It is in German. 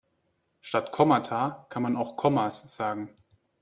Statt Kommata kann man auch Kommas sagen.